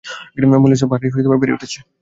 Moli Johnson পাহাড়েই বেড়ে উঠেছে।